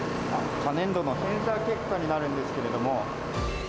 過年度の検査結果になるんですけれども。